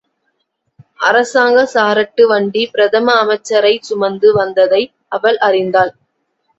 அரசாங்க சாரட்டு வண்டி பிரதம அமைச்சரைச் சுமந்து வந்ததை அவள் அறிந்தாள்.